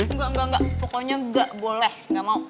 enggak enggak enggak pokoknya enggak boleh enggak mau